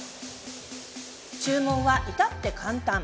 注文は至って簡単。